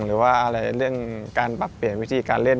หรือว่าอะไรเรื่องการปรับเปลี่ยนวิธีการเล่น